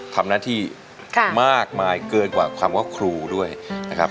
ทำหน้าที่มากมายเกินกว่าคำว่าครูด้วยนะครับ